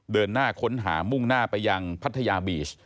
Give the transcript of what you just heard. เดินหน้าค้นหามุ่งหน้าไปยังพัทยาบีช